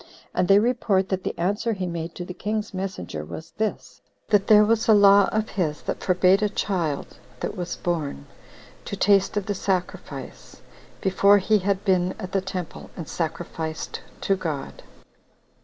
And they report that the answer he made to the king's messenger was this: That "there was a law of his that forbade a child that was born to taste of the sacrifice, before he had been at the temple and sacrificed to God.